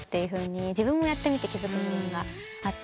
自分もやってみて気付く部分があって。